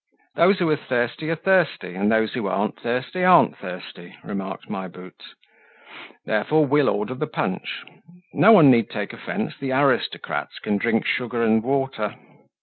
"Those who're thirsty are thirsty, and those who aren't thirsty aren't thirsty," remarked My Boots. "Therefore, we'll order the punch. No one need take offence. The aristocrats can drink sugar and water."